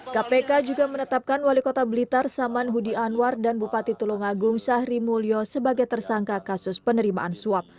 kpk juga menetapkan wali kota blitar saman hudi anwar dan bupati tulungagung syahri mulyo sebagai tersangka kasus penerimaan suap